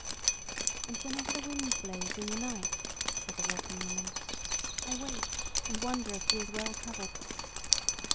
"And whenever the wind blows in the night," said the Walking Woman, '*I wake and wonder if he is well covered."